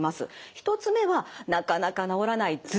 １つ目はなかなか治らない頭痛に効くツボ。